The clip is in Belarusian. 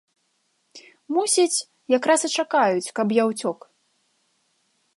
Мусіць, якраз і чакаюць, каб я ўцёк.